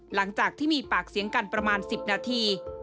หลังจากที่มีปากเสียงกันประมาณ๑๐นาที